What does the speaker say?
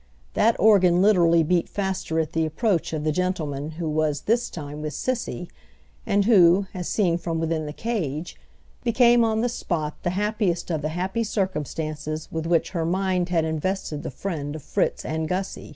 That organ literally beat faster at the approach of the gentleman who was this time with Cissy, and who, as seen from within the cage, became on the spot the happiest of the happy circumstances with which her mind had invested the friend of Fritz and Gussy.